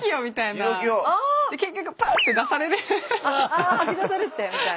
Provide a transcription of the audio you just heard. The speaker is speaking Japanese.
あ吐き出されてみたいな。